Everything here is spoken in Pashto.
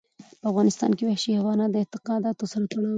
په افغانستان کې وحشي حیوانات د اعتقاداتو سره تړاو لري.